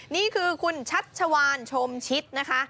นี่คือคุณชัชวานชมชิดนะคะ